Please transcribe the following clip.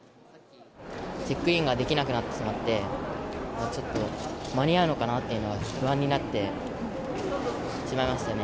チェックインができなくなってしまって、ちょっと間に合うのかなって、今、不安になってしまいましたね。